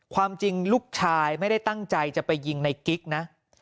ความจริงลูกชายไม่ได้ตั้งใจจะไปยิงในกิ๊กนะ